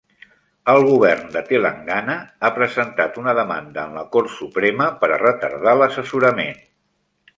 El govern de Telangana ha presentat una demanda en la Cort Suprema per a retardar l'assessorament.